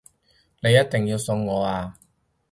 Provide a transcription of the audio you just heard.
你一定要送我啊